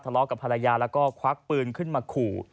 ทะเลาะกับภรรยาแล้วก็ควักปืนขึ้นมาขู่